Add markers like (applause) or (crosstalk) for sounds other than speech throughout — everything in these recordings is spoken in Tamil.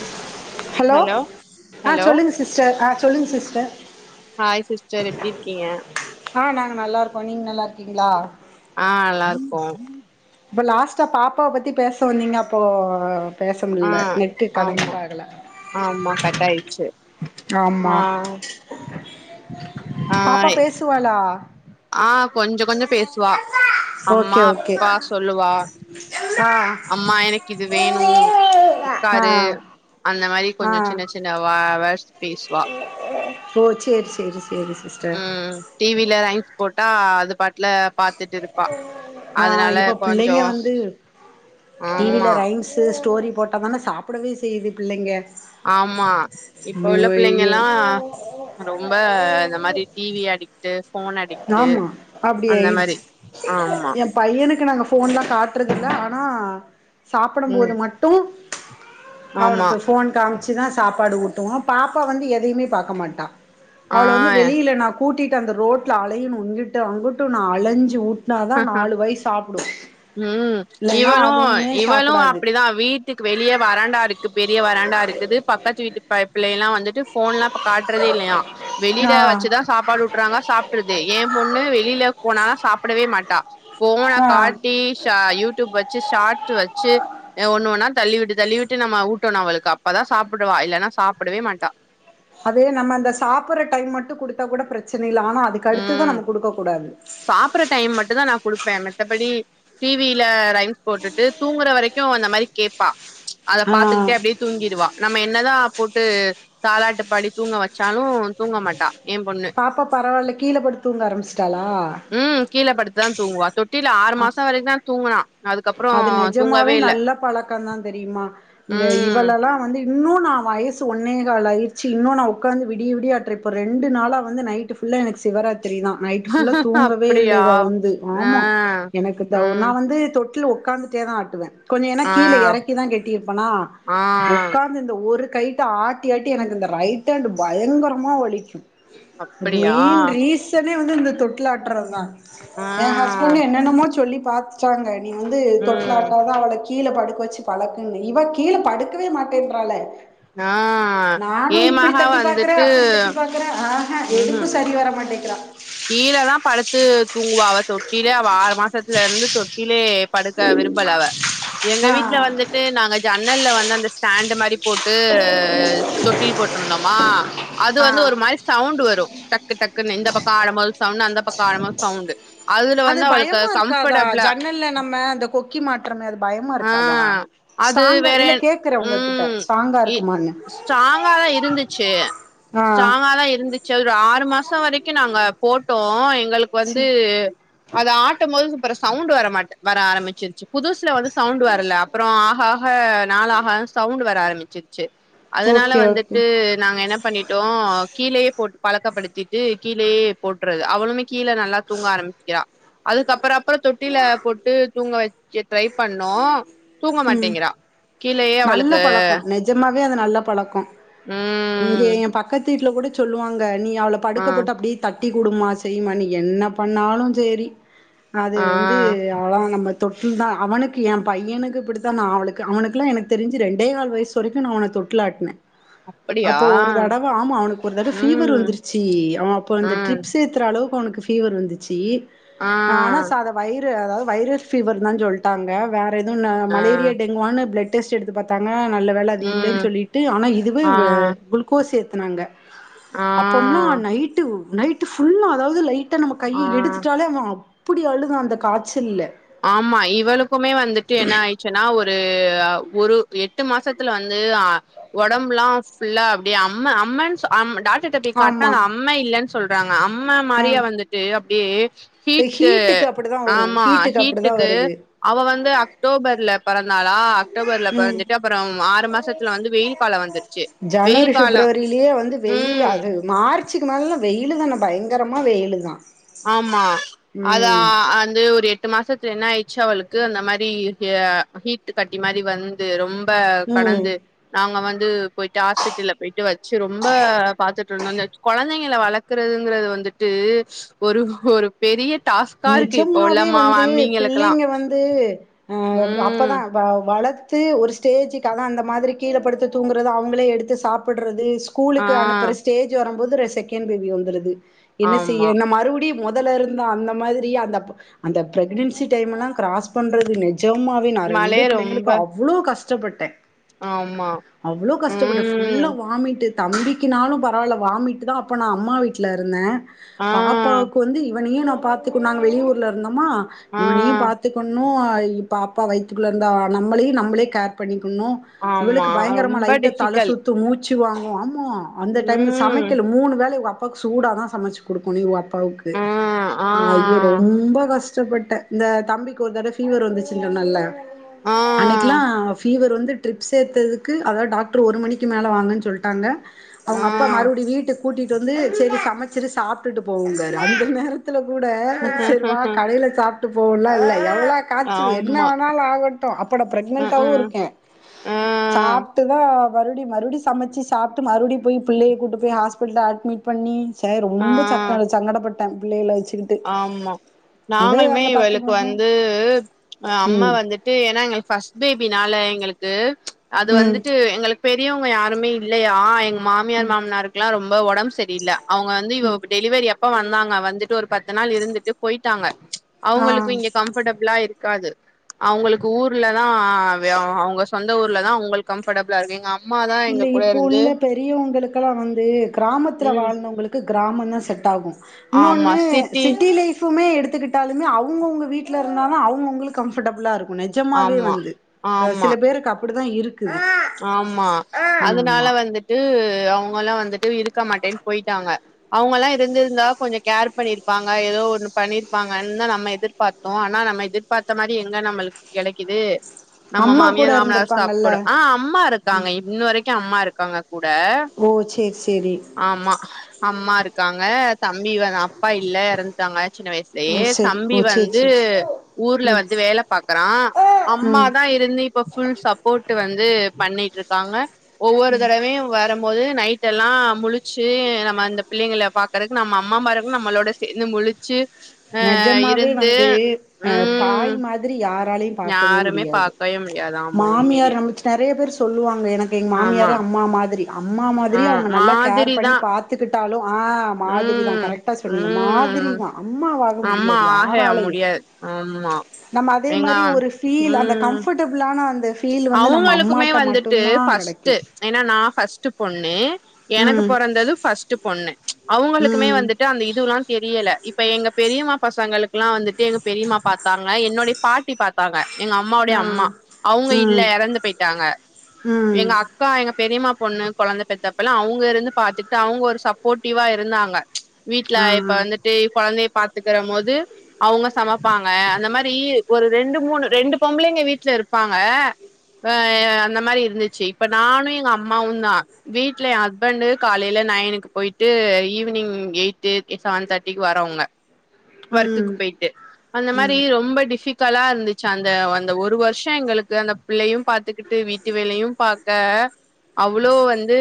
(inaudible) ஹலோ ஆ ஹலோ சொல்லுங்க சிஸ்டர் அஆ சொல்லுங்க சிஸ்டர் ஹாய் சிஸ்டர் எப்டி இருக்கீங்க ஆ நாங்க நல்லாயிருக்கோ நீங்கள் நல்லாருக்கீங்களா ஆ நல்லா இருக்கோம் இப்போ லாஸ்டா பாப்பாவ பத்தி பேச வந்தீங்க அப்போ பேச ஆ முடில்ல நெட் ஆமா ஆமா கட்டாயிட்ச்சு ஆ ஆமா ஆ பாப்பா பேசுவாளா ஆ கொஞ்சோ கொஞ்சோ பேசுவா ஓகே அம்மா ஓகே அப்பா சொல்லுவா ஆ அம்மா எனக்கு இது வேணும் கா ஆ (unintelligible) ஆ கொஞ்சோ சின்ன சின்ன வே பேஸ்வா ஓ சேரி சேரி சேரி சிஸ்டர் உம் டீவில ரைம்ஸ் போட்டா அது இதுல பாத்துட்டு இருப்பா ஆ அதனால இப்ப கொஞ்சோ பிள்ளைங்க வந்து ஆமா டிவில ரைம்ஸு ஸ்டோரி போட்டா தான சாப்டவே செய்யுது பிள்ளைங்க ஆமா இப்ப மு உள்ள ஐயோ பிள்ளைங்களா ரொம்ப இந்த மாரி டிவி அடி (unintelligible) ஆமா அப்டி ஆயிடுச்சு ஆமா எ பையனுக்கு நாங்க ஃபோன்லா காட்ரதுல்ல ஆனா சாப்டும் ம் போது மட்டு ஆமா அவனுக்கு ஃபோன் காமி ச்சு தா சாப்பாடு ஊட்டுவோ பாப்பா வந்து எதையுமே பாக்க மாட்டா ஆ அவள வந்து வெளியில நா கூ கூட்டிட்டு அந்த ரோட் டுல அலையனு இங்கிட்டும் அங்குட்டும் நா அலைஞ்சு ஊட் ம் இல்லன்னா இவளும் அதுவுமே இவளும் சாப்புடாது அப்டி தா வீட்டுக் வெளிய வராண்டாருக்கு பெரிய வராண்டா இருக்குது பக்கத்து வீட்டு ப பிள்ளயெல்லா வந் வந்துட்டு ஃபோன்லா பா காட்டுறதே இல்லையா வெளில ஆ வச்சுதா சாப்பாடு ஊட்றாங்க சாப்டுறுது எ பொண்ணு வெளில போனா தா சாப் டமட்டா ஃபோன ஆ காட்டி ஷா யூடியூப் வச்சு ஷார்ட்ஸ் வச் சு ஒன்னு ஒன்னா தள்ளி விட்டு தள்ளி விட்டு நம்ம ஊட்டணும் அவளுக்கு அப்ப தா சாப்டுவா இல்லனா சாப்டவே மாட்டா அது நம்ம இந்த சாப்புடற டைம் மட்டும் குடுத்தா கூட பிரச்சன் ம் சாப்பற டைம் மட்டும் தா நா குடுப்ப மத்தபடி டி வி ல ரைம்ஸ் போட்டுட்டு தூங்குற வரைக்கும் அந்த மாரி கேப்பா அத ஆ பாத்துகிட்டே அப்டியே தூங்கிடுவா நம்ம என் என்னதா போட்டு தாலாட்டு பாடி தூங்க வச்சாலும் தூங்க மாட்டா ஏ பொண்ணு பாப்பா பரவால இப் கீழப்படுத் தூங்க ஆரம்பிச் ம் கீழ படுத் தா துங்கு வா தொட் டில ஆறு ஆ மாசோ வரைக்கும் தா தூங்குனா அதுக்கப்புறோ அது நிஜமாவே தூங்கவே இல்ல நல்ல பழக்கந்தா தெரியுமா இந்த ம் இவளெல்லா வந்து இன்னும் நா வயசு ஒன்னே கால் ஆயிருச்சி இன்னும் நா உட்காந்து விடிய விடிய ஆட்ற இப்ப நா ரெண்டு நாளா வந்து நைட்டு ஃபுல்லா எனக்கு சிவராத் திரி தா நைட் ஃபுல்லா தூங்கவே இல்ல அப்டியா இவ வந்து ஆ ஆமா எனக்கு த ஒன்னா ம் வந்து தொட் ட்ல உக்காந்துட்டே தா ஆட்டுவ கொஞ்ச எனா ஆ கீழ எறக்கி தா கட்டிருப்பனா ஆ உட்காந்து இந்த ஒரு கைட்டு ஆட்டி ஆட்டி எனக்கு இந்த ரைட் ஹண்ட் பயங்கரமா வலிக்கும் அப்டியா மீன் ரீசன் ன்னே வந்து இந்த தொட்லாட்றது தா ஆ எ ஹஸ்பெண்டு என்னன்னமோ சொல்லி பாத் டாங்க நீ வந்து ம் தொட்டலாட்டதா அவன வெச் கீழ படுக்க வெச்சு பழக்குங்க இவ கீழ படுக்கவே மாட்டேன்றால ஆ ஏ மகா வந்துட்டு அ எதுக்கு ம்ஹூம் சரி வரம் மாட்டேக்கிறா கீழதா படுத்து தூங்குவா அவ தொட்டிலே அவ ஆறு மாசத்துல இருந்து தொட்டிலே படுக்க விரும்பல அவ எங்க ஆ வீட்ல வந்துட்டு நாங்க ஜன்னல்ல வந்து அந்த ஸ்டேண்டு மாரி போட்டு தொட்டில் போட்ருந்தோமா அது ஆ வந்து ஒரு மாரி சவுண்டு வரு டக்கு டக்குன்ன இந்த பக் சொன்ன அந்த பக்கோ அனிமல் சவுண்டு அதுல அது வந்து அவளுக்கு பயமா இருக்காதா கம்பர்டபுளா ஜன்னல்ல நம்ம அந்த கொக்கி மாட்றமே அது பயமா ஆ இருக்காதா அது‌ ஸ்ட்ராங்கா வேற இல்ல என் கேக்குறே உங்ககிட்ட ம் ஸ்ட்ராங்கா இ இருக்குமான்னு ஸ்ட்ராங்காதா இருந்துச்சு ஆ ஸ்ட்ராங்காதா இருந்துச்சு ஒரு ஆறு மாசோ வரைக் க்கு நாங்க போட்டோ எங் எங்களுக்கு வந்து சரி அத ஆட்டம்போது அப்புறோ சவுண்டு வர மாட் வர ஆரமிச்சுருச்சு புதுசுல வந்து சவுண்டு வரல அப்புறோ மாக நாளாக ஆக சவுண்டு வர ஆரம்மிச்சுருச் சு அதனால ஓகே ஓகே வந்துட்டு நாங்க என்ன பண்ணிட் டோ கீழயே போட்டு பழக்கப்படுத்திட்டு கீழயே போட்டுறது அவளுமே கீழே நல்லா தூங்க ஆரம்பிக்கிறா அதுக்குப்புறோ அப்புறோ தொட்டில்ல போட்டு தூங்க வெச்சு ட்ரை பண்ணோ தூங்க ம் மாட்டேங்கிறா கீழயே அவளுக்கு வே அது நல்ல பழக்கோ இங்க ம் எ பக்கத்து வீட்ல கூட சொல்லுவாங்க நீ அவள ஆ படுக்க போட்டு அப்டியே தட் தட்டி குடுமா செய்யுமா நீ என்ன பண்ணாலு சேரி அது வந்து ஆ அவளா நம்மத் தொட்டில் தா அவனுக்கு எம் பையனுக்கு இப்பிடித்தா நா அவளுக்கு அவனுக்கெல்லா எனக் தெரிஞ்சு ரெண்டே கால் வயிசு வரைக்கும் நா அவன தொட்டுல் ஆட்னே அப்படியா அப்போ ஒரு தடவ ஆமா அவனுக்கு ஒரு தடவ பீவர் ம் வந்துருச்சு அவன் அப்ப அந்த ம் டிரிப்ஸ் ஏத்துற அளவுக்கு அவனுக் பீவர் வந்துச்சி ஆ ஆனா சா அத வயிறு அதாவுது வைரஸ் பீவர் தா சொல்லிட்டாங்க வேற எதுவும் ஆ மலேரியா டெங்குவானு பிளெட் டெஸ்ட் எடுத்து பாத்தாங்க நல்ல வேலை அது இல்லன்னு ம் சொல்லிட்டு ஆனா இதுவே ஆ வ குளுக்கோஸ் ஏத் சொன்னாங்க ஆ அப்போம்ல்லா நைட்டு நைட்டு ஃபுல்லா அதாவுது லைட் த நம்ம ஆ கையை எடுத்துட்டாலே அவோ அப்புடி அழுதான் அந்த காய்ச்சல்ல ஆமா இவளுக்குமே வந்துட்டு என்ன ஆயிடுச்சுன்னா ஒரு அ ஒரு எட்டு மாசத்துல வந்து ஒடம்புலா ஃபுல்லா அப்பிடிய அம்ம அம்மன் சொல் டாக் டாக்டர் போயி கட்டா ஆமா அது அம்ம இல்லன் சொல்றாங்க அம்மை ஆ மாரியா வந்துட்டு அப் ம் ம் ஹீட்டுக்கு அப்புடிதா வரும் ஹீட்டுக்கு அப்பு வீட்டுக்கு அவ வந்து அக்டோபர்ல பெறந் நாலா அக்டோபர்ல ம் பெறந்துட்டு அப்புற ஆறு மாசத்துல வந்து வெயில் காலம் வந்துருச்சு ஜனவரி வெயில் காலம் பிப்ரவரியிலயே வந்து வெயில் ம் அது மார்ச்சுக்கு மேலல்லா வெயிலு தான பயங்கரமா வெயிலு தான் ஆமா அதா வந்து ஒரு எட் எட்டு மாசத்துல என்ன ஆயிடுச்சு அவளுக்கு அந்த மாரி ஹா ஹீட் கட்டி மாரி வந்து ரொம் ப ஆ ம் கடந்து நாங்க வந் து போயிட்டு ஹாஸ்பிடல்ல போயிட்டு வச்சு ரொம்ப பாத்து கெழந்தைங்க வளக்கறதுங்குறது வந்துட்டு ஒரு ஒரு பெரிய இப்ப உள்ள நெஜமாவே மா வந்து மம்மிங்களுக்கெல்லா பிள்ளைங்க வந்து ஆஹா ம் அப்பதான் வளர்த்து ஒரு ஸ்டேஜுக்கு அதான் அந்த மாதிரி கீழே படுத்த தூங்குறது அவங்களே எடுத்து சாப்பிடுறது ஆ ஸ்கூலுக்கு அனுப்புற ஸ்டேஜ் வரும் போது செகண்ட் பேபி வந்துருது என்ன ஆமா செய்ய என்ன மறுபடியும் முதல்ல இருந்த அந்த மாதிரி அந்த அந்த பிரக்னன்சி டைம் எல்லாம் கிராஸ் பண்றது நெ நெஜமாவே ரெண்டு மழையே ரொம்ப பிள்ளைங்களுக்கு அவ்வளோ கஷ்டம் கஷ்டப்பட்டேன் ஆமா அவ்வளோ கஷ்டப்பட்டு ம் ஃபுல்லா வாமிட்டு தம்பிக்குனாலும் பரவாயில்ல வாமிட்டு தான் அப்போ நான் அம்மா வீட்டில தான் இருந்தேன் ஆ பாப்பாவுக்கு வந்து இவன் ஏன் ந பத்து நாங்க வெளியூர்ல இருந்தோம் மா ஆ இவள நீ பாத்துக்கணும் மூ இப்ப அப்பா வைத்துக்குள்ள இருந்தா நம்மளே நம்பளே கேர் பண்ணி இன்னும் ஆமா இவளுக்கு பயங்கரமா ரொம்ப லைட்ட தல டிஃபிகல் சுத்து மூச்சு வாங் எ ஆமா அந்த டைம் ம் சமைக்கல மூணு வேலய அப் அப்பாவுக்கு சூடா தான் சமச்சி குடுக்கணும் இவங்க அப்பாவுக்கு ஆ ஆ அ ஐயோ ரொம்ப கஷ்டம் கஷ்டப்பட்டேன் இந்த தம்பிக்கு ஒரு தடவ ஃபீவர் வந்துச்சுன்னு சொன்னல ஆ அன்னைக்கிலாம் ஃபீவர் வந்து ட்ரிப்ஸ் ஏத்ரதுக்கு அதாவது டாக்டரு ஒரு மணிக்கு மேலே வாங்கன்னு சொல்லிட்டாங்க அவங்க ஆ அப்பா மறுபடியும் வீட்டுக் கூடிட்டு வந்து செரி சமைச்சு சாப்டுட்டு போவங்க அந்த நேரத் கூட செரிவா கடையில சாப் ட்டு போலாம் ல எல்லா காய்ச்சல் என்ன ஆமா வேணாலும் ஆகட்டும் அப்போனா அ பிரகனன்டாவும் இருக்கேன் ஆ சாப்டுதான் மறுடி மறுடி சமச்சி சாப்ட்டு மறுடி போய் புள்ளய கூட்டு போய் ஹாஸ்பெட்ல அட்மிட் பண்ணி ச ஆ ரொம்ப சக்கன சங்கடபட் தன் பிள்ளைகழ வைச் ஆமா நாங்களுமே பத்து இவளுக்கு மாசோ வந்து அம்மா ம் வந்துட்டு ஏன்னா எங்களுக்கு பஸ்ட் பேபி னால எங்களுக்கு அது ம் வந்துட்டு எங்களுக் பெரியவங்க யாருமே இல்லயா எங் மாமியார் மாமனருக்லா ரொம்ப ஒடம் சரியில்ல அவங்கந்து இவ டெலிவரி அப் ப்ப வந்தாங்க வந்துட்டு ஒரு பத் த்து நாள் இருந்துட்டு போயிட்டாங்க அவங்களுக்கு ஆ இங்க கம்ஃபர்டபுளா இருக் க்காது அவங்ளுக்கு ஊர்ல த்தா வே அவங்க சொந்த ஊர்ல தா உங்ளுக் கம்படஃல்லா இருக் எங்க அம் இல்ல இப்போள்ள பெரியவங்களுகெல்லா வந்து கிராமத்துல ம் வாழ்ந்தவங்களுக்கு கிராமந்தா செட்ட ஆகு இன்னொன்னு சிட்டி லைஃப் த்துமே எடுத்துகிட்டால்லுமே அவுங்கவுங்க வீட்ல இருந்தாலு அவங்கவுங்களுக்கு கம்ஃபடபுலா இருக் ஒ நெஜமாவே ஆமா வந்து ஆமா சில அ பேருக்கு அப் ப்பிடி தா இருக்கு ஆமா அதுனால வந்துட்டு ந்து அவங்கல்லா வந்துட்டு இருக்க மாட்டேன்னு போயிட்டாங்க அவங்கல்லா இருந்திருந்தா கொஞ்சோ கேர் பண்ணிருப்பாங்க ஏதோ ஒன்னு பண்ணிருப்பாங்கன்னு தா நம்ம எதிர்பாத்தோ ஆனா நம்ம எதிர்பாத்த மாரி எங்க நம்மளுக்கு கெடைக்குது நம்ம அம்மா கூட மாமியார் மாமனார் இருந்திருப்பாங்கல்ல சாப்படு ஆ அம்மா இருக்காங்க இன்னுவரைக்கோ அம்மா இருக்காங்க கூட ஓ சேரி சேரி ஆமா அம்மா இருக் க்காங்க தம்பி வ அப்பா இல்ல இறந்ட்டாங்க சின்ன ஓ வயசுலயே சேரி தம்பி ஓ சேரி வந்து சேரி ஊர்ல ம் வந்து வேலபாக்குறா ம் அம்மாதா இருந்து இப்ப ஃபுல் சப்போட் வந்து பண்ணிட்டுருக்காங்க ஒவ்வொரு தடவயு வரம் - ரும் போது நைட்டெல்லா முலுச்சு நம்ம இந்த பிள்ளைங்கள பாக்கறதுக்கு நம்ம அம்மாமாருகலு நம்மளோட சேந்து முலுச்சு நெஜமாவே வந்து ஆ ம் தாய் மாரி யாராலயு பாக்கவே யாருமே முடியாது பாக்கவே முடியாது ஆமா மாமியார் உண்மையிலே நம் நெறைய பேர் சொல்லுவாங்க எனக்கு எங்க ஆமா மாமியாரே அம்மா மாதிரி அம்மா மாதிரி ஆ அவங்க நல்லா கேர் பண்ணி மாதிரிதா பாத்துக்கிட்டாலு ஆ மாதிரி தா ம் கரெட்டா சொன்னீங்க மாதிரி ம் தா அம்மாவாக ஆமா முடியாது ஆஹ யாராலயு முடியாது ஆமா நம்ம அதே எங்க மாரி ஒரு ஃபீல் அந்த ம் கம்ஃபர்ட்டபளான (inaudible) அவங்களுக்குமே வந்துட்டு கெடைக்கு ஃபஸ்ட்டு ஏன்னா நா ஃபஸ்ட்டு பொண்ணு எனக்கு ம் பொறந்தது ஃபஸ்ட்டு பொண்ணு அவுங்களுக்குமே ம் வந்துட்டு அந்த இதுவுல்லா தெரியல இப் இப்ப எங்க பெரியம்மா பசங்களுக்குல்லா வந்துட்டு எங்க பெரியம்மா பாத்தாங்க என்னுடைய பாட்டி பாத்தாங்க எங்க அம்மாவுடய ஆ அம்மா அவுங்க இல்ல ம் எறந்து போயிட்டாங்க ம் எங்க அக்கா எங்க பெரியமா பொண்ணு கொழந்த பெத்தப்ப எல்லா அவுங்க இருந்து பாத்துட்டு அவுங்க ஒரு சப்போர்ட்டிவா இருந்தாங்க வீட்ல ஆ இப்ப வந்துட்டு கொழந்தய பாத்துக்கற போது அவுங்க சமப்பாங்க அந்த மாரி ஒரு ரெண்டு மூணு ரெண்டு பொம்பளைங்க வீட்டுல இருப் ப்பாங்க ஆ அந்த மாரி இருந்துச்சு இப்ப நானு எங்க அம்மாவு தா வீட்டுல எ ஹஸ்பண்டு காலையல நைனுக்கு போயிட்டு ஈவினிங் எய்ட் செவன் த்தட்டிக்கு வரவங்க ஒர்க்குக்கு ம் போயிட்டு அந்த மாரி ரொம்ப டிஃபி க்கலா இருந்துச்சு அந்த அந்த ஒரு வருஷோ எங்களுக்கு அந்த புள்ளையு பாத்துக்கிட்டு வீட்டு வேலயு பாக்க அவ்ளோ வந்து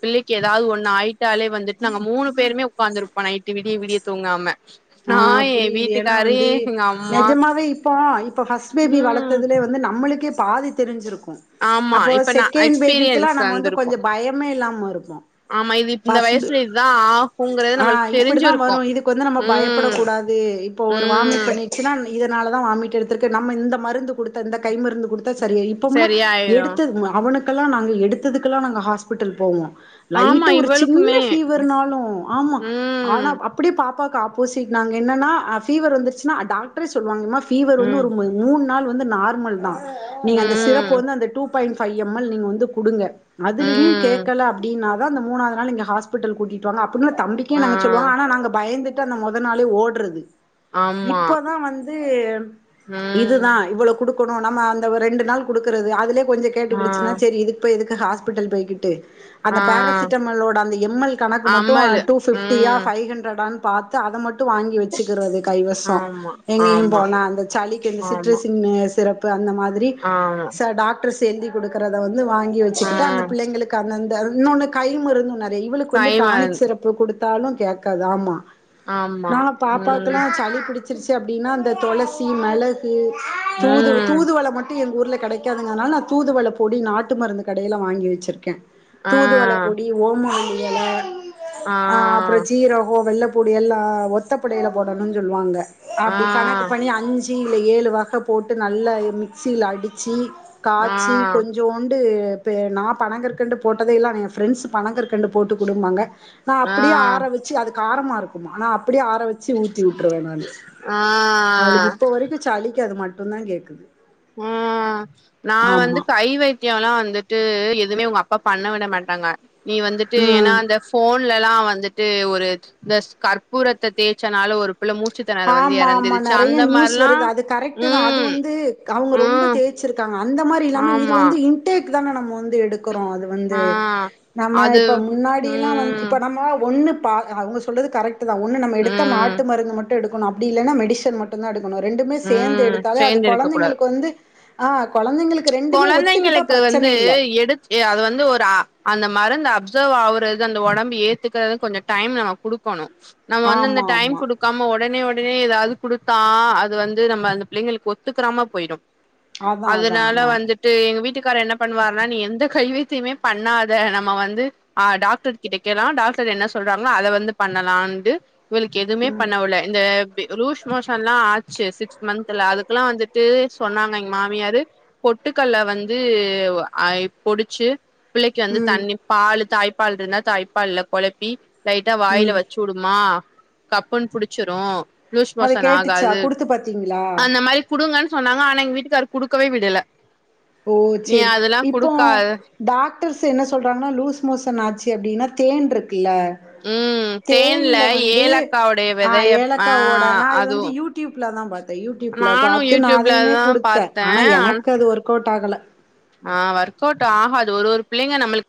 பிள்ளைக்கு ஏதாவது ஒண்ணு ஆயிட்டாலே வந்துட்டு நாங்க மூணு பேருமே ஓக்காந்துருப்போ நைட்டு விடிய விடிய தூங்காம ஆ நா எ புரியுது ஏனா வீட்டுக்காரு வந்து எங்க அம்மா நெஜமாவே இப்போ இப்ப ஃபஸ்ட் பேபி ம் வளத்ததுலே வந்து நம்மளுக் க்கே பாதி தெரிஞ்சிரு ஆமா அப்போ இப்ப நா செகண்ட் பேபிக்கல்லா எக்ஸ்பீரியன்ஸ் நம்ம வந்து வந்திருக்கு கொஞ்சோ பயமே இல்லாம இருப்போ ஆமா இது இந்த ஃபஸ்ட் பே வயசுல இதுதா ஆகுங்கறது ஆ நம்மளுக்கு இப்டிதா வரு தெரிஞ்சிருக்கு இதுக்கு வந்து நம்ம பயப் சாப்டக்க ம் கூடாது இப்போ ஒரு வாமிட் ம் பண்ணிடுச்சுன்னா இதனால தா வாமிட்டு எடுத்துருக்கு நம்ம இந்த மருந்து குடுத்த இந்த கை மருந்து குடுத்தா சரியாயி இப்பல்லா சரியாயிரு எடுத்த அவனுக் அப்பலா நாங்க எடுத்ததுக்கெல்லா நாங்க ஹாஸ்பிட்டல் போவோ ஆமா லைட்டு ஒரு சின்ன இவளுக்குமே ஃபீவர்னாலு ஆமா ஆனா ம் அப்டியே பா அப்பக்கா ஊசிட் நாங்க என்னனா ஆ ஃபீவர் வந்துருச்சுனா அட் டாக்ட்ரே சொல்லுவாங்கமா பீவர் ம் வந்து ஒரு மூணு நாள் வந்து நார்மல்தா நீங்க அந்த சிரப்பு ம் வந்து அந்த two point five M L நீங்க வந்து குடுங்க அதுலயு ம் கேக்கல அப்டின்னா தா அந்த மூணாவது நாள் இங்க ஹஸ்பிட்டல் கூட்டிட்டு வாங்க அப் அப்டினா தம்பிக்கு ஆ நாங்க சொல்லுவோ ஆனா நாங்க பயந்துட் டு அந்த மொத நாளே ஓடுறது ஆமா இப்பதா வந்து ம் இதுதா இவ்வளோ குடுக் குனு நம்ம அந்த ரெண்டு நாள் குடுக்குறது அதுலயே கொஞ்ச ஆ கேட்டுக்கிடுச்சுனா சேரி இது இப்ப எதுக்கு ஹாஸ்பிட்டல் போய்கிட்டு அந்த ஆ பேரசிட்டமலோட அந்த எம் எல் கணக்கு மட்டு அம்மலு டூ பிஃப்டியா ம் ஃபை ஹண்ரடான் பாத் து அத மட் டு வாங்கி வெச்சுக்குறது கைவசோ ஆமா எங்கியும் ஆமா போனா அந்த சளிக்கு அந்த ஆமா சிற்றசிங்குன்னு சிறப்பு அந்த மாதிரி ஆமா செல டாக்டர்ஸ் எழுதி குடுக்குறத வந்து து வாங்கி வெச்சுக்கிட்டா அந்த ம் புள்ளைங்களுக்கு அந்தந் த இன்னொன்னு கை மருந்து ஒன்னு இருக் து இவளுக்கு வந்து கை டானிக் மருந் சிறப்பு குடுத் த்தாலு கேக்காது ஆமா ஆமா நா ம் பாப்பாக்கெல்லா சளி புடுச்சுருச்சு அப்டின்னா இந்த தொளசி மெளகு தூது ம் தூதுவள மட்டு இருந் ஊருல கெடைக்காதுங்குறனால நா தூதுவள பொடி நாட்டு மருந்து கடையில வாங்கி வெச்சுருக்க ஆ தூதுவள பொடி ஓமவல்லி எல ஆ அப்பறோ சீரகோ வெள்ளப் பொடி எல்லா ஒத்தப்படையில போடணுன் சொல்லுவாங்க ஆ அப்டி கணக்கு பண்ணி அஞ்சு ச்சியில ஏழு வகை போட்டு நல்லா மிக்சியில அடிச்சி ஆ காச்சி கொஞ்சோண்டு இப்போ நான் பணங்கற்கண்டு போட்டதே இல்ல என் ஃப்ரெண்ட்ஸ் பணங்கற்கண்டு போட்டு குடும்பாங்க நான் ஆ அப்டியே ஆர வச்சி அதுக்கு காரமா இருக் ஆனா அப்டியே ஆ ரவச்சி ஊத்தி விட்டுருவேன் நானு ஆ ஆ அவளுக்கு இப்ப வரைக்கும் சளிக்கு மட் டும்தான் கேக்குது ம் நான் வந்து ஆமா கை வைத்தியம் எல்லாம் வந்துட்டு எதுமே உங்க அப் பா பண்ண விட மாட்டாங்க நீ வந்துட்டு ஏன்னா ம் அந்த போன்ல எல்லாம் வந் வந்துட்டு ஒரு இந்த கற்பூரத்த தேய்ச்சனால ஒரு புள்ள மூச்சுத்திணற வந்து ஆமா ஆமா எறந்துருச்சு நெறைய அந்த நியூஸ் மாரிலா வருது அது கரெக்ட்டு தான் அது ம் வந்து அவுங்க ரொம்ப ம் தேய்சிருக்காங் க அந்த மாரி இல்லாம இது ஆமா வந்து இன்டேக் இல்லன்னா நம்ம வந் து எடுக்கிறோம் அது வந்து ஆ நம்ம அது இப்ப முன்னாடியெல்லாம் வந்து ம் இப்ப நம்ம ஒன்னு அவுங்க சொல்றது கரெக்ட் டு தான் ஒன்னு நம்ம எடுத்த ம் நாட்டு மருந்து மட் டும் எடுக்கணும் அப்டி இல்லனா மெடிசன் மட்டும் தான் எடுக் ரெண்டுமே சேர்ந்து ம் எடுத்தாலே அது சேர்ந்து இருக்க கொழந்தைங்களுக்கு வந்து ஆ கொழந்தைங்களுக் கொழந்தங்களுக்கு வந்து எடு அது வந்து ஒரு அ அந்த மருந் து ஆவுறது அந்த உடம்பு ஏற்றுக்கறது கொஞ்சம் டைம் நம்ம குடுக்கணும் நம்ம வந்து அந்த ஆமா டைம் ஆமா குடுக்காம உடனே உட னே ஏதாவது குடுத்தா அது வந்து நம்ம அந்த பிள்ளைங்களுக்கு ஒத்துக்கறாம போயிடும் அதான் அதான் அதான் எங்க வீட்டுக்கார் என்ன பண்ணுவாருன்னா நீ எந்த கைவைத்தியுமே பண்ணாத நம்ம வந்து ஆ டாக்டர் கிட்ட வைக்கலாம் டாக்டர் என்ன சொல்றாங்களோ அதை வந்து பண்ணலாம்னு இவளுக்கு எதுவுமே பண்ணவுல இந்த லுஷ் மோஷன் எல்லாம் ஆச்சு சிக்ஸ் மன்த்ல அதுக்கெல்லாம் வந்துட்டு சொன்னாங்க எங்க மாமியாரு பொட்டுகல்ல வந்து அ பொடிச்சு பிள்ளைக்கு வந்து ம் தண்ணிப் பாலு தாய்ப் பால் இருந்தா தாய்ப்பால்ல கொழப்பி லைட்டா வாயில ம் வச்சுடுமா கப்புன் புடிச்சிரும் லூஸ் அது மோசன் கேட்டுச்சா ஆகாது குடுத்து பாத்தீங்களா அந்த மாரி குடுங்கன் சொன்னாங்க ஆனா எங்க வீட்டுக்கரு குடுக்கவே விடல ஓ நீ செரி அதெல்லா இப்போ குடுக்காத டாக்டர்ஸு என்ன சொல்றாங்கனா லூஸ் மோசன் ஆச்சி அப்டினா தேன்ருக் கில்ல ம் தேன்ல வந்து ஏலக்காவுடைய ஆ வெதைய ஆ ஏலக்காவோட நா இது அதுவு வந்து யூடியூப்ல தா பாத்த யூடியூப்ல நானு பாத்து நா யூடியூப்ல அதையுமே தா குடுத்த பாத்தே ஆனா ஆ எனக்கது ஒர்க் கோட்டாகல ஆ ஒர்க் அவுட் ஆகாது ஒரு ஒரு பிள்ளைங்க நம்ளுக்